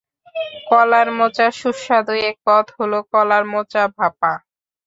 কলার মোচার সুস্বাদু এক পদ হলো কলার মোচা ভাঁপা।